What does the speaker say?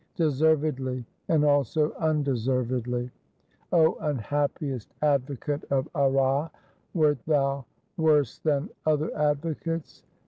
Deservedly, and also undeservedly. O unhappiest advocate of Arras, wert thou worse than other Advocates?